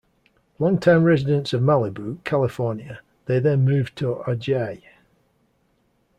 Longtime residents of Malibu, California, they then moved to Ojai.